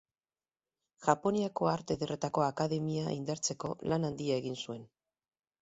Japoniako Arte Ederretako Akademia indartzeko lan handia egin zuen.